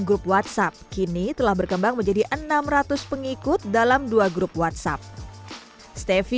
grup whatsapp kini telah berkembang menjadi enam ratus pengikut dalam dua grup whatsapp stefy